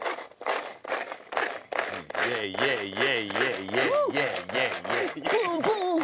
イエイイエイイエイイエイイエイイエイイエイ！